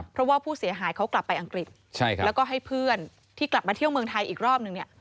เพราะว่าผู้เสียหายเขากลับไปอังกฤษแล้วก็ให้เพื่อนที่กลับมาเที่ยวเมืองไทยอีกรอบนึงเนี่ย